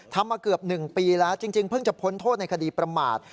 มาเกือบ๑ปีแล้วจริงเพิ่งจะพ้นโทษในคดีประมาท